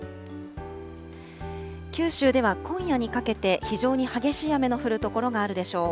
九州では今夜にかけて、非常に激しい雨の降る所があるでしょう。